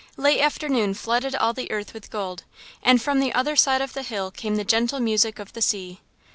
Late afternoon flooded all the earth with gold, and from the other side of the hill came the gentle music of the sea.